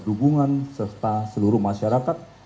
dukungan serta seluruh masyarakat